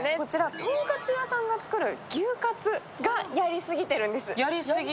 とんかつ屋さんが作る牛カツがやりすぎているんです。